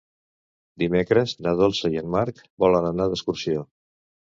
Dimecres na Dolça i en Marc volen anar d'excursió.